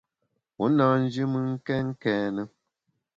U na nji mùn kèn kène.